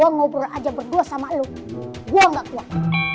ngobrol aja berdua sama lo gua nggak kuat